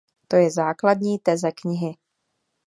To je základní teze knihy.